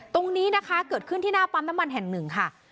ตรงนี้นะคะเกิดขึ้นที่หน้าปั๊มน้ำมันแห่งหนึ่งค่ะ